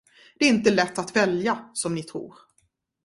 Det är inte lätt att välja, som ni tror.